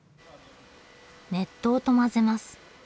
熱湯と混ぜます。